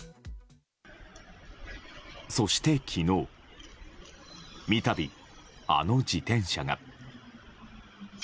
そして、昨日三度あの自転車が。